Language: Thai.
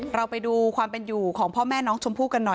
เราไปดูความเป็นอยู่ของพ่อแม่น้องชมพู่กันหน่อย